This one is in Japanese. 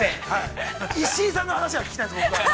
石井さんの話が聞きたいんです、僕は。